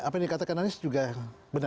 apa yang dikatakan anies juga yang benar